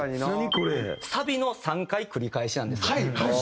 サビの３回繰り返しなんですよ。